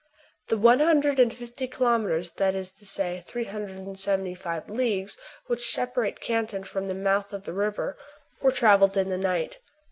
The one hundred and fifty kilometres — that is to say, the three hundred and seventy five leagues which separate Canton from the mouth of the river — were travelled in the night.